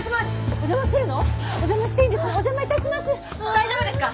お邪魔していいんですね？